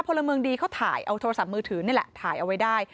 พลเมืองดีเขาถ่ายเอาโทรศัพท์มือถือนี่แหละถ่ายเอาไว้ได้